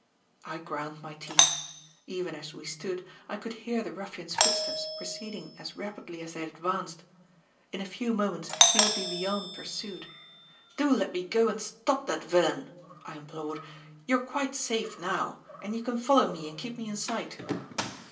I ground my teeth. Even as we stood, I could hear the ruffian's footsteps receding as rapidly as they had advanced. In a few moments he would be beyond pursuit. "Do let me go and stop that villain!" I implored. "You're quite safe now, and you can follow me and keep me in sight."